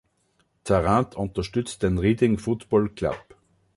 Tarrant unterstützt den Reading Football Club.